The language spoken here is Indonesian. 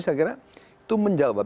saya kira itu menjawab